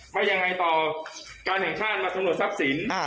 มายังไงต่อการแห่งชาติมาสำรวจทรัพย์สิน